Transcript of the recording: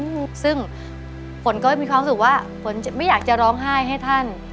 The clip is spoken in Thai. อือซึ่งฝนก็จะมีความสุขว่าฝนไม่อยากจะร้องห้ายให้ท่าน